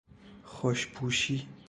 خوشپوشی